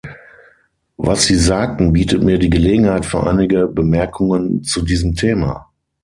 Was Sie sagten, bietet mir die Gelegenheit für einige Bemerkungen zu diesem Thema.